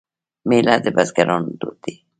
میله د بزګرانو دود دی.